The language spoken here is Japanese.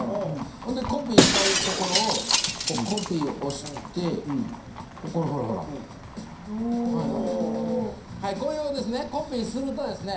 ほんでコピーしたいところをコピーを押してこれほらほらおおこれをですねコピーするとですね